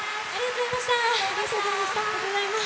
ありがとうございます！